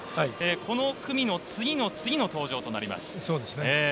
この組の次の次の登場となります。